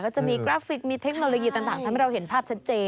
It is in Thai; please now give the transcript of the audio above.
จะมีกราฟิกมีเทคโนโลยีต่างทำให้เราเห็นภาพชัดเจน